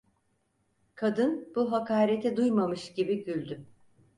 Kadın bu hakareti duymamış gibi güldü.